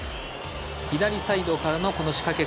左サイドからの仕掛け。